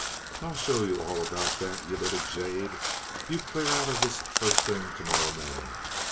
I'll show you all about that, you little jade! You clear out of this first thing to morrow morning.